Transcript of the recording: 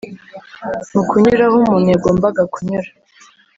Mu kunyura aho umuntu yagombaga kunyura